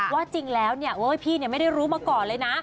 ว่าจริงแล้วพี่ไม่ได้รู้มาก่อนเลยนะ